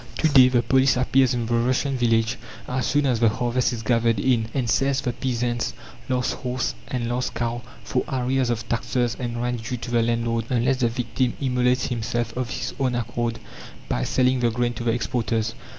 To day the police appears in the Russian village as soon as the harvest is gathered in, and sells the peasant's last horse and last cow for arrears of taxes and rent due to the landlord, unless the victim immolates himself of his own accord by selling the grain to the exporters.